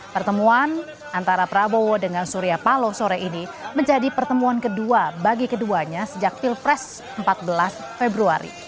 pertemuan antara prabowo dengan surya paloh sore ini menjadi pertemuan kedua bagi keduanya sejak pilpres empat belas februari